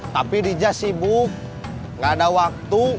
tapi dija sibuk gak ada waktu